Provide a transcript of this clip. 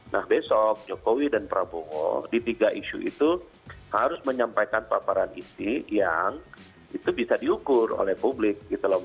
nah besok jokowi dan prabowo di tiga isu itu harus menyampaikan paparan isi yang itu bisa diukur oleh publik